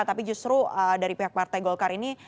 tapi justru dari pihak partai golkar ini